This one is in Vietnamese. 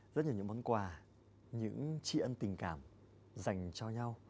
rất nhiều những món quà những trị ân tình cảm dành cho nhau